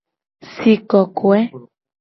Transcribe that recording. Si kokoe.